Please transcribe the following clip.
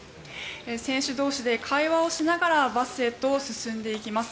選手同士で会話をしながらバスへと進んでいきます。